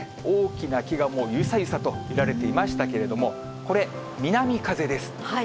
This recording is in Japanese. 大きな木がゆさゆさと揺られていましたけれども、これ、南風です。